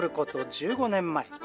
１５年前。